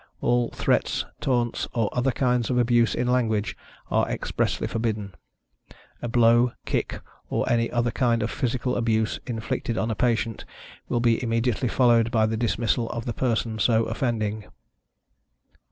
All threats, taunts, or other kinds of abuse in language, are expressly forbidden. A blow, kick, or any other kind of physical abuse, inflicted on a patient, will be immediately followed by the dismissal of the person so offending.